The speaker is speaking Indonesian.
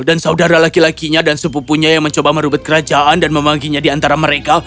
dan saudara laki lakinya dan sepupunya yang mencoba merubat kerajaan dan membaginya di antara mereka